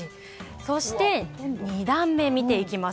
そして２段目、見ていきます。